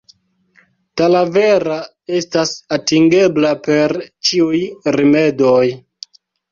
Talavera estas atingebla per ĉiuj rimedoj.